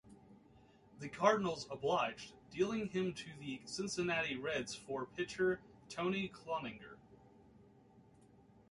The Cardinals obliged, dealing him to the Cincinnati Reds for pitcher Tony Cloninger.